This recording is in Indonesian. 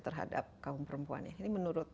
terhadap kaum perempuannya ini menurut